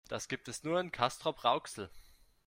Das gibt es nur in Castrop-Rauxel